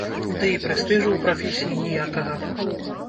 Ды і прэстыжу ў прафесіі ніякага.